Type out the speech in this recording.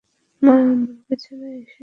মা আমার বিছানায় এসে শুয়েছেন।